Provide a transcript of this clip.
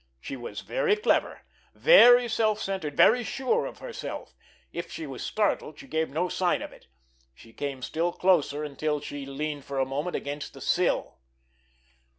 She was very clever, very self centered, very sure of herself. If she was startled, she gave no sign of it. She came still closer until she leaned for a moment against the sill.